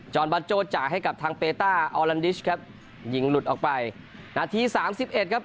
อนบาโจ้จ่ายให้กับทางเปต้าออลันดิชครับยิงหลุดออกไปนาทีสามสิบเอ็ดครับ